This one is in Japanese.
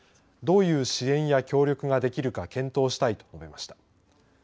どういう支援や協力ができるか検討したいと述べました。